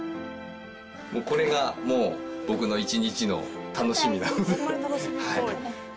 もうこれがもう、僕の一日の楽しみなので。